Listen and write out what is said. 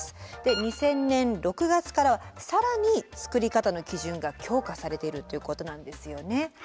２０００年６月からは更に造り方の基準が強化されているということなんですよね。